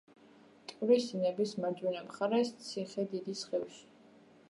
მტკვრის დინების მარჯვენა მხარეს, ციხედიდის ხევში.